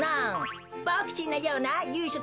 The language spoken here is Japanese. ボクちんのようなゆいしょ